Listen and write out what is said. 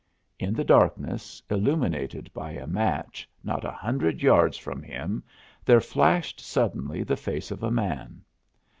In the darkness, illuminated by a match, not a hundred yards from him there flashed suddenly the face of a man.